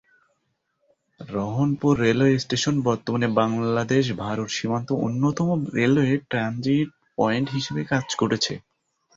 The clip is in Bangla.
রহনপুর রেলওয়ে স্টেশন বর্তমানে বাংলাদেশ-ভারত সীমান্তে অন্যতম রেলওয়ে ট্রানজিট পয়েন্ট হিসেবে কাজ করছে।